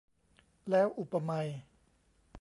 แล้ว อุปไมย